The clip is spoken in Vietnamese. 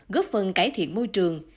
góp phần cải thiện môi trường